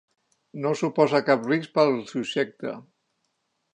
No suposa cap risc per al subjecte.